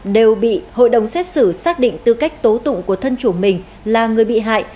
đều bị hội đồng xét xử xác định tư cách tố tụng của thân chủ mình là người bị hại